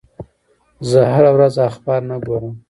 زه هره ورځ اخبار نه ګورم.